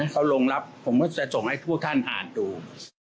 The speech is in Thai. เขาลงรับผมก็จะส่งให้ผู้ท่านอ่านดู